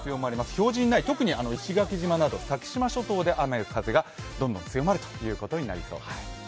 表示にない、特に石垣島など先島諸島で雨や風がどんどん強まるということになりそうです。